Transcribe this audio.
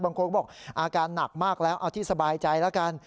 บางคนก็บอกอาการหนักมากแล้วเอาที่สบายใจแล้วกัน